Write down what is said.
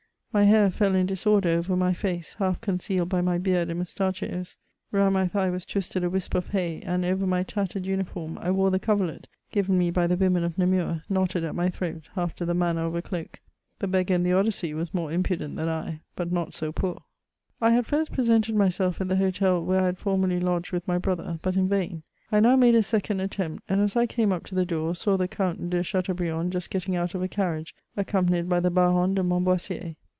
My hair ML in disorder over mj lace, half concealed l^ my beard and moustaehios ; sound my thigh was twisted a wi^ of hay, and over my tattered tmifcHnn I wore the coveriet given me by the women of Namur, knotted at my throat, after the manner of a doak. The beggar in fihe Odyssey was more impudent than I, but not so poor. I had ffrst presented myself at the hotel where I had for merly lodged with my brother, but in vain ; I now made a second attempt, and as I came up to the door, saw the Count . de Chateaubriand just getting out of a carriage, accompanied by the Baron de Montboissier.